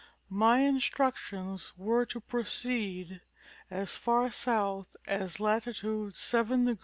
My instructions were to proceed as far south as latitude 7° 30'.